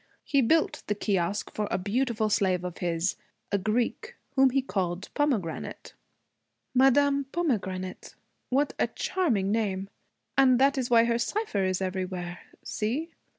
He built the kiosque for a beautiful slave of his, a Greek, whom he called Pomegranate.' 'Madame Pomegranate? What a charming name! And that is why her cipher is everywhere. See?'